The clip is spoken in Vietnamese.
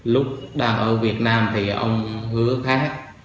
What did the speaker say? lúc đang ở việt nam thì ông hứa khác